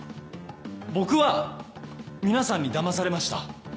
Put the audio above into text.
僕は皆さんにだまされました。